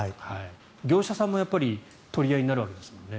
業者さんもやっぱり取り合いになるわけですもんね。